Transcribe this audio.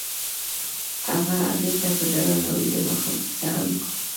هغه هغې ته په درناوي د ماښام کیسه هم وکړه.